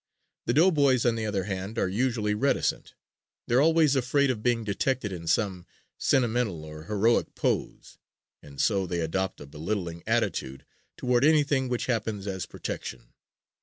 The doughboys, on the other hand, are usually reticent. They're always afraid of being detected in some sentimental or heroic pose and so they adopt a belittling attitude toward anything which happens as protection.